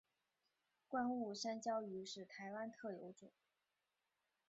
观雾山椒鱼是台湾特有种。